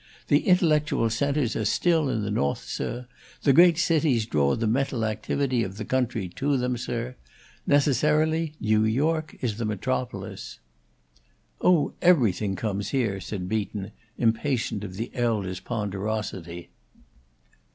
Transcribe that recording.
The intellectual centres are still in the No'th, sir; the great cities draw the mental activity of the country to them, sir. Necessarily New York is the metropolis." "Oh, everything comes here," said Beaton, impatient of the elder's ponderosity.